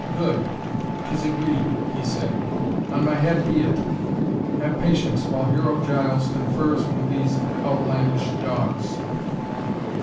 "Good, 'tis agreed," he said. "On my head be it. Have patience while Hero Giles confers with these outlandish dogs."